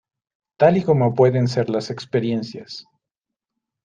Tal y como pueden ser las experiencias.